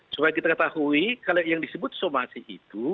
supaya kita ketahui kalau yang disebut somasi itu